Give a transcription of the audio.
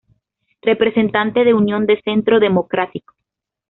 Representante de Unión de Centro Democrático.